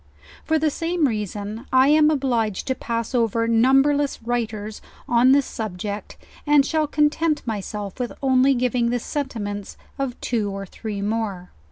For the same reason I am obliged to pass over numberless writers on this subject; and shall content myself with only giving the sentiments of two or three more.